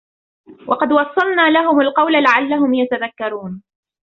ولقد وصلنا لهم القول لعلهم يتذكرون